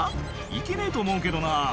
行けねえと思うけどな」